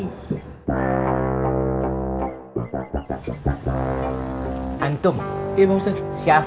tantum siap buku kesalahan siap